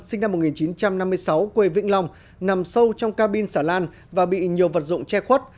sinh năm một nghìn chín trăm năm mươi sáu quê vĩnh long nằm sâu trong cabin xà lan và bị nhiều vật dụng che khuất